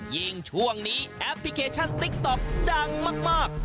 ยิ่งช่วงนี้แอปพลิเคชันติ๊กต๊อกดังมาก